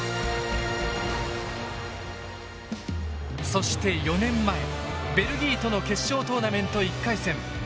そして４年前ベルギーとの決勝トーナメント１回戦。